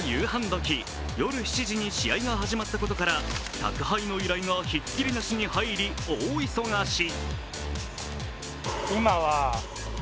時、夜７時に試合が始まったことから宅配の依頼がひっきりなしに入り大忙し。